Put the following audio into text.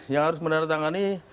yang harus menerang tangani